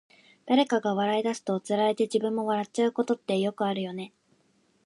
誰かが笑い出すと、つられて自分も笑っちゃうことってよくあるよね。